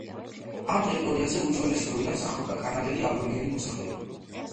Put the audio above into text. ამ ტერიტორიაზე უძველესი დროიდან სახლობდა კანადელი აბორიგენი მოსახლეობა.